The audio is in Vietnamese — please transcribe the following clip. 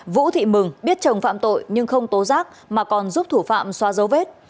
vũ thị mừng biết chồng phạm tội nhưng không tố giác mà còn giúp thủ phạm xóa dấu vết